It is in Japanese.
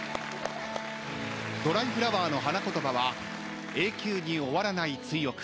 ドライフラワーの花言葉は「永久に終わらない追憶」